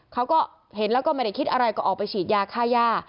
เขาก็เห็นแล้วก็ไม่ได้คิดอะไรก็ออกไปฉีดยาค่าย่า